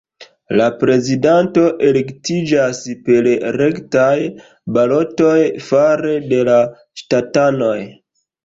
La prezidanto elektiĝas per rektaj balotoj fare de la ŝtatanoj.